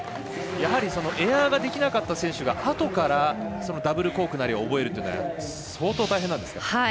やはりエアができなかった選手があとからダブルコークなりを覚えるというのは相当、大変なんですか？